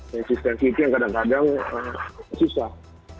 resistensi itu yang kadang kadang susah